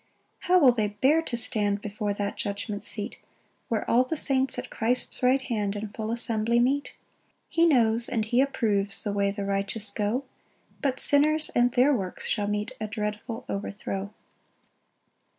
5 How will they bear to stand Before that judgment seat, Where all the saints at Christ's right hand In full assembly meet? 6 He knows, and he approves The way the righteous go; But sinners and their works shall meet A dreadful overthrow.